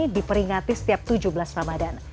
diperingati setiap tujuh belas ramadan